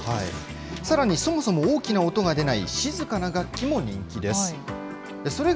さらにそもそも大きな音が出ない静かな楽器も人気です。